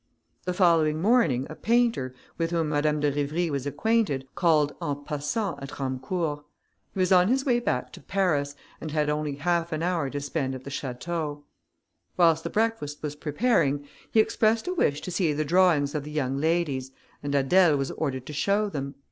The following morning, a painter, with whom Madame de Rivry was acquainted, called en passant at Romecourt; he was on his way back to Paris, and had only half an hour to spend at the château. Whilst the breakfast was preparing, he expressed a wish to see the drawings of the young ladies, and Adèle was ordered to show them.